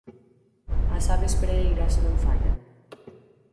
As aves preeiras non fallan.